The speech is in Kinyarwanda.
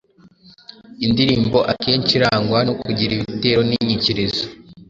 Indirimbo akenshi irangwa no kugira ibitero n’inyikirizo.